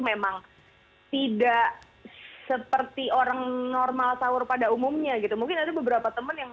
memang tidak seperti orang normal sahur pada umumnya gitu mungkin ada beberapa temen yang